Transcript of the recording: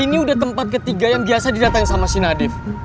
ini udah tempat ketiga yang biasa didatangin sama si nadif